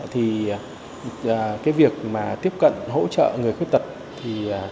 thì cái việc mà tiếp cận hỗ trợ người khuyết tật thì